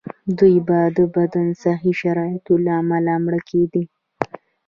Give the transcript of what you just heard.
دوی به د بدو صحي شرایطو له امله مړه کېدل.